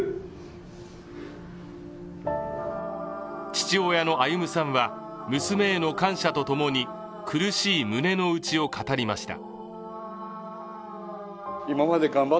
父親の歩さんは、娘への感謝と共に、苦しい胸の内を語りました。